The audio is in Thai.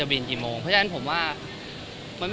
ครับครับครับครับครับครับครับครับครับครับครับครับครับครับ